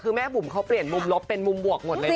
คือแม่บุ๋มเขาเปลี่ยนมุมลบเป็นมุมบวกหมดเลย